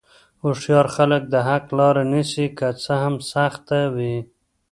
هوښیار خلک د حق لاره نیسي، که څه هم سخته وي.